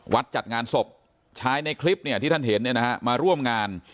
วัดจัดงานศพชายในคลิปที่ท่านเห็นมาร่วมงาน